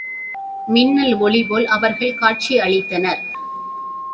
மின்னல் ஒளிபோல் அவர்கள் காட்சி அளித்தனர்.